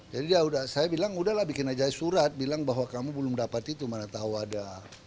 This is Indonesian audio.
jadi saya bilang udahlah bikin aja surat bilang bahwa kamu belum dapat itu mana tahu ada